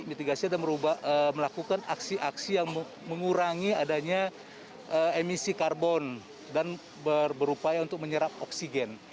mitigasi adalah melakukan aksi aksi yang mengurangi adanya emisi karbon dan berupaya untuk menyerap oksigen